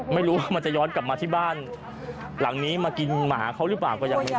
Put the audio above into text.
ไม่รู้ว่ามันจะย้อนกลับมาที่บ้านหลังนี้มากินหมาเขาหรือเปล่าก็ยังไม่รู้